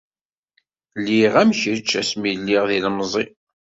Lliɣ am kečč asmi lliɣ d ilemẓi.